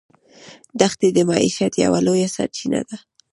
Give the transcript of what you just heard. دښتې د معیشت یوه لویه سرچینه ده.